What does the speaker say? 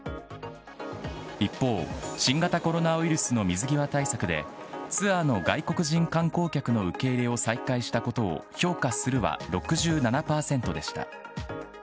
一方、新型コロナウイルスの水際対策で、ツアーの外国人観光客の受け入れを再開したことを評価するは６７％でした。